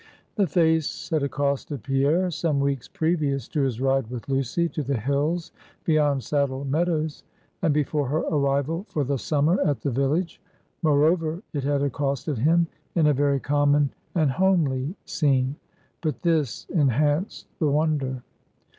The face had accosted Pierre some weeks previous to his ride with Lucy to the hills beyond Saddle Meadows; and before her arrival for the summer at the village; moreover it had accosted him in a very common and homely scene; but this enhanced the wonder.